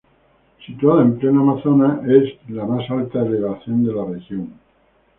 Situada en pleno Amazonas, es la más alta elevación de la región.